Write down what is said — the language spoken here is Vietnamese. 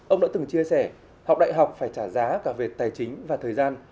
ông đã từng chia sẻ học đại học phải trả giá cả về tài chính và thời gian